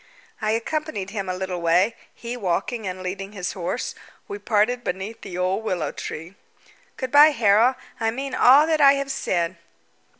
I accompanied him a little way, he walking and leading his horse. We parted beneath the old willow tree. "Good bye, Harold. I mean all I have said."